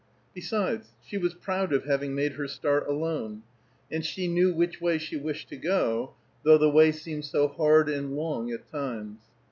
Beside, she was proud of having made her start alone, and she knew which way she wished to go, though the way seemed so hard and long at times.